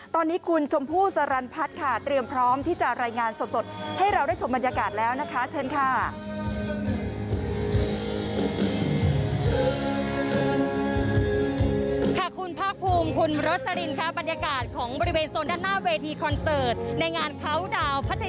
ตอนนี้คุณชมพู่สรรพัฒน์ค่ะเตรียมพร้อมที่จะรายงานสดให้เราได้ชมบรรยากาศแล้วนะคะเชิญค่ะ